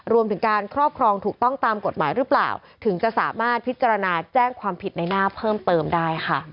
รวมถึงการครอบครองถูกต้องตามกฎหมายหรือเปล่าถึงจะสามารถพิจารณาแจ้งความผิดในหน้าเพิ่มเติมได้ค่ะ